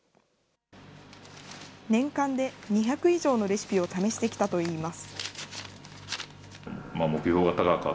年間で２００以上のレシピを試してきたといいます。